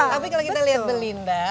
tapi kalau kita lihat belinda